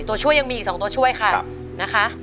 ตัวช่วยยังมีอีกสองตัวช่วยค่ะ